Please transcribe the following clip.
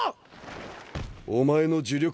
お前の呪力